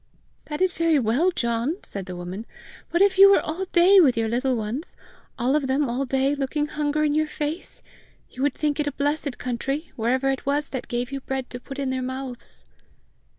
"That is very well, John!" said the woman; "but if you were all day with your little ones all of them all day looking hunger in your face, you would think it a blessed country wherever it was that gave you bread to put in their mouths!"